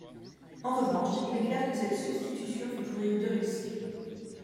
En revanche, il est clair que cette substitution fait courir deux risques.